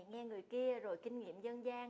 nghe người kia rồi kinh nghiệm dân gian